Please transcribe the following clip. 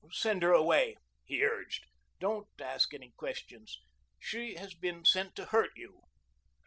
"Send her away," he urged. "Don't ask any questions. She has been sent to hurt you."